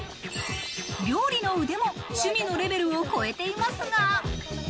料理の腕も趣味のレベルを超えていますが。